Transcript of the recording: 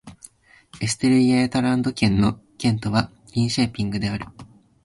エステルイェータランド県の県都はリンシェーピングである